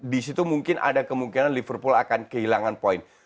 di situ mungkin ada kemungkinan liverpool akan kehilangan poin